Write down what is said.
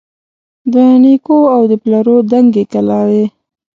د نیکو او د پلرو دنګي کلاوي